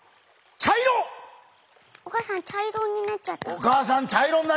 お母さん茶色になっちゃった。